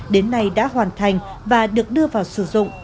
đến nay đã hoàn thành và được đưa vào sử dụng